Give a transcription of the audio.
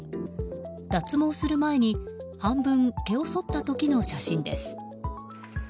脱毛する前に半分、毛をそった時の写真です。